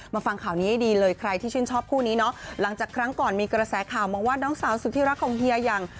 ฟังข่าวนี้ให้ดีเลยใครที่ชื่นชอบคู่นี้เนาะหลังจากครั้งก่อนมีกระแสข่าวมองว่าน้องสาวสุดที่รักของเฮียอย่าง